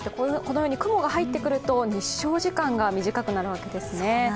雲が入ってくると日照時間が短くなるわけですね。